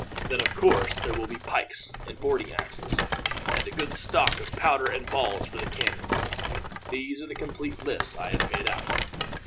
Then, of course, there will be pikes, and boarding axes, and a good stock of powder and balls for the cannon. These are the complete lists I have made out.